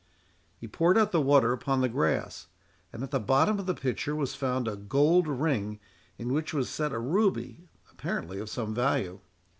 He poured out the water upon the grass, and at the bottom of the pitcher was found a gold ring, in which was set a ruby, apparently of some value.